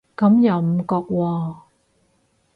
咁又唔覺喎